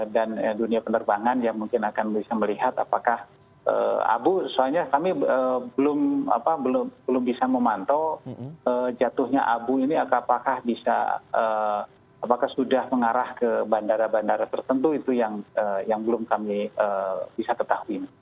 dan dunia penerbangan ya mungkin akan bisa melihat apakah abu soalnya kami belum bisa memantau jatuhnya abu ini apakah sudah mengarah ke bandara bandara tertentu itu yang belum kami bisa ketahui